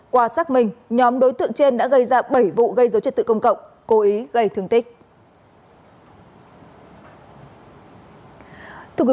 qua xác minh nhóm đối tượng trên đã gây ra bảy vụ gây dối trật tự công cộng cố ý gây thương tích